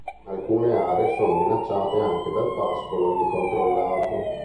Alcune aree sono minacciate anche dal pascolo incontrollato.